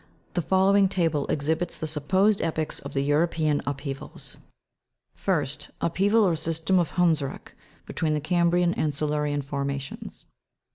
The following table exhibits the supposed epochs of the European upheavals. 1st, Lpheaval, or system of Hnndsruck, between the cambrian and silurian formations.